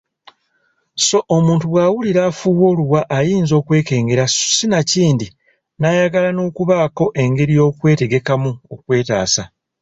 Sso omuntu bw’awulira afuuwa oluwa ayinza okwekengera sinakindi n’ayagala n’okubaako engeri y’okwetegekamu okwetaasa.